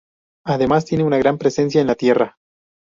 Además, tiene una gran presencia en la Tierra.